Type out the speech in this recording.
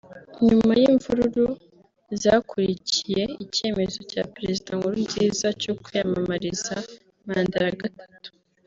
nyuma yimvururu zakurikiye icyemezo cya Perezida Nkurunziza cyo kwiyamamariza manda ya gatatu